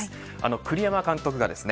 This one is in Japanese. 栗山監督がですね